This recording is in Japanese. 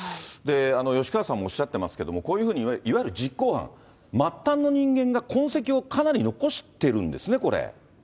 吉川さんもおっしゃってますけども、こういうふうにいわゆる実行犯、末端の人間が痕跡をかなり残してるんですね、これ。